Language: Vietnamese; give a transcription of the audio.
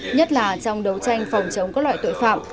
nhất là trong đấu tranh phòng chống các loại tội phạm